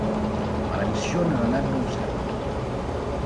Ma la missione non ebbe un seguito.